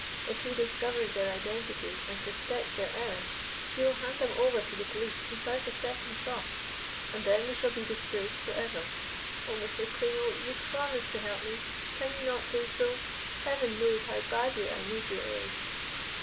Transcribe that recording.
If he discovers their identity, and suspects their errand, he will hand them over to the police without a second thought, and then we shall be disgraced forever. Oh, Mr. Klimo, you promised to help me, can you not do so? Heaven knows how badly I need your aid."